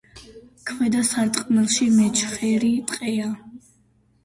ქვედა სარტყელში მეჩხერი ტყეა.